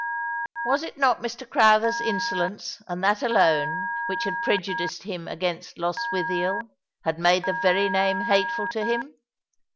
Was it not Mr. Crowther's insolence, and that alone, which had prejudiced him against Lostwithiel — had made the very name hateful to him